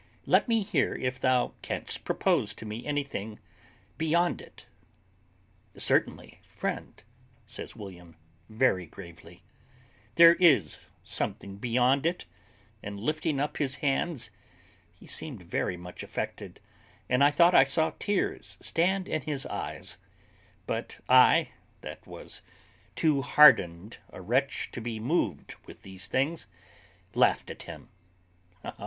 Let me hear if thou canst propose to me anything beyond it." "Certainly, friend," says William, very gravely, "there is something beyond it;" and lifting up his hands, he seemed very much affected, and I thought I saw tears stand in his eyes; but I, that was too hardened a wretch to be moved with these things, laughed at him.